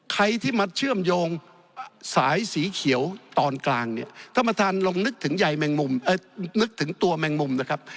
ใครที่มัดเชื่อมโยงสายสีเขียวตอนกลางถ้ามาทันลงนึกถึงตัวแมงมุมนะครับ